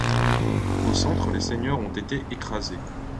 Au centre, les seigneurs ont été écrasés.